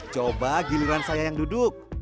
coba giliran saya yang duduk